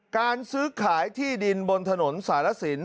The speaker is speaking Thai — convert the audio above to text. การซื้อขายที่ดินบนถนนสารสิน